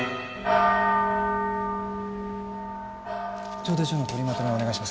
協定書の取りまとめお願いします。